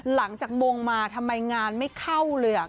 หลังจากมงมาทำไมงานไม่เข้าเลย